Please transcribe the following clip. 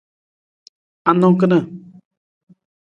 Anang kana?